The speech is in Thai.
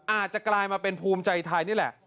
กลายมาเป็นภูมิใจไทยนี่แหละ